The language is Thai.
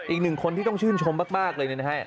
อีกหนึ่งคนที่ต้องชื่นชมมากเลยนะฮะ